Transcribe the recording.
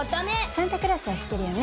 サンタクロースは知ってるよね？